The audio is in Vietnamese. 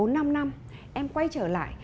bốn năm năm em quay trở lại